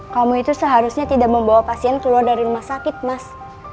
kamu itu seharusnya tidak membawa pasien keluar dari rumah sakit mas